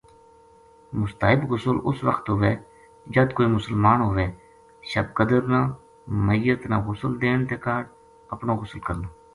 مستحب غسل اس وخت ہووئے جد کوئی مسلمان ہووے، شب قدر نا، میت نا غسل دین تے کاہڈ اپنو غسل کرنو۔